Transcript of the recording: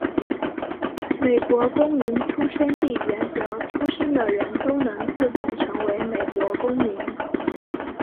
美国公民出生地原则出生的人都能自动成为美国公民。